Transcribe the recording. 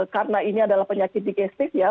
karena ini adalah penyakit digestif ya